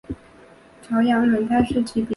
朝阳轮胎是其品牌。